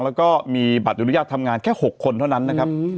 แล้วก็มีบัตรอนุญาตทำงานแค่๖คนเท่านั้นนะครับ